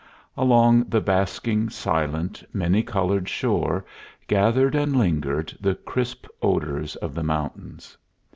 Along the basking, silent, many colored shore gathered and lingered the crisp odors of the mountains.